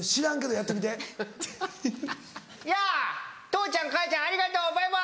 「やぁ父ちゃん母ちゃんありがとうバイバイ」。